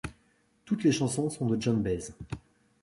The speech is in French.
Toutes les chansons sont de Joan Baez.